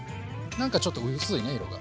何かちょっと薄いね色が。